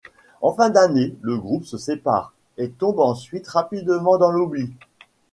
En fin d'année, le groupe se sépare, et tombe ensuite rapidement dans l'oubli.